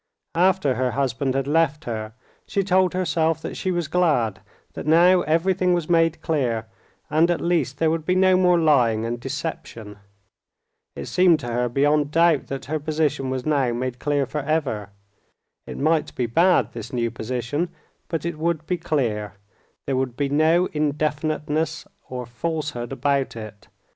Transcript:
After her husband had left her, she told herself that she was glad, that now everything was made clear, and at least there would be no more lying and deception. It seemed to her beyond doubt that her position was now made clear forever. It might be bad, this new position, but it would be clear; there would be no indefiniteness or falsehood about it.